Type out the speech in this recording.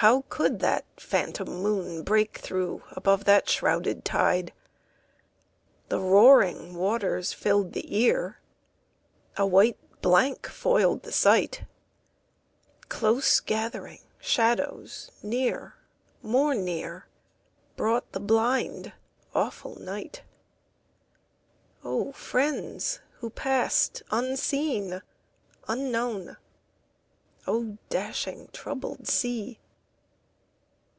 How could that phantom moon break through, Above that shrouded tide? The roaring waters filled the ear, A white blank foiled the sight. Close gathering shadows near, more near, Brought the blind, awful night. O friends who passed unseen, unknown! O dashing, troubled sea!